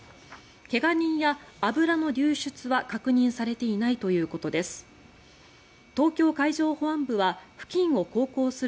怪我人や油の流出は確認されていないということです。